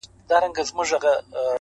حقیقت ورو خو تل ځان ښکاره کوي.!